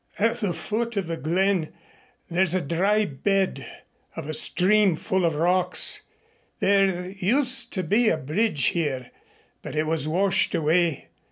"At the foot of the glen there's a dry bed of a stream full of rocks. There used to be a bridge here, but it was washed away.